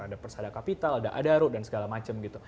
ada persadakapital ada adaro dan segala macam